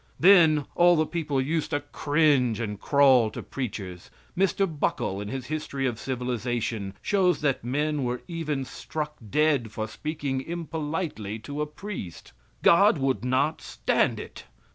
Then all the people used to cringe and crawl to preachers. Mr. Buckle, in his history of civilization, shows that men were even struck dead for speaking impolitely to a priest. God would not stand it.